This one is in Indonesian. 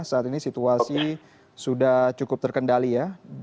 saat ini situasi sudah cukup terkendali ya